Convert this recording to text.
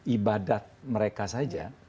ibadat mereka saja